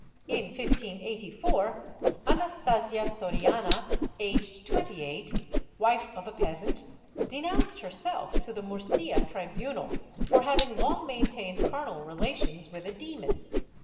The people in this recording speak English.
In 1584 Anastasia Soriana, aged 28, wife of a peasant, denounced herself to the Murda tribunal for having long maintained carnal relations with a demon.